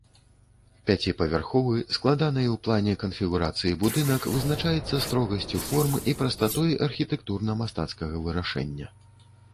Пяціпавярховы складанай у плане канфігурацыі будынак вызначаецца строгасцю форм і прастатой архітэктурна-мастацкага вырашэння.